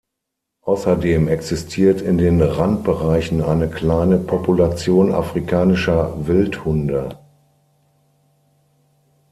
Außerdem existiert in den Randbereichen eine kleine Population afrikanischer Wildhunde.